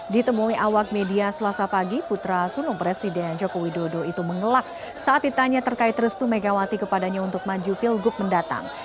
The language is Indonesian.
ditemui awak media selasa pagi putra sulung presiden joko widodo itu mengelak saat ditanya terkait restu megawati kepadanya untuk maju pilgub mendatang